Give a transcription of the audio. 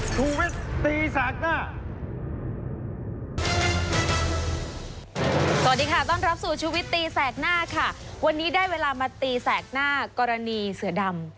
สวัสดีค่ะต้อนรับสู่ชีวิตตีแสกหน้าค่ะวันนี้ได้เวลามาตีแสกหน้ากรณีเสือดำ